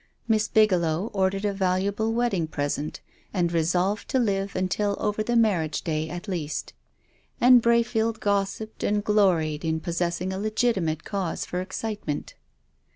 Miss Bigelovv ordered a valuable wedding present, and resolved to live un til over the marriage day at least. And Brayfield gossiped and gloried in possessing a legitimate cause for excitement.